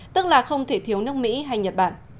tức là không thể thiếu nước mỹ hay nhật bản